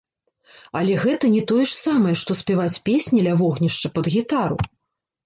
Але гэта не тое ж самае, што спяваць песні ля вогнішча пад гітару!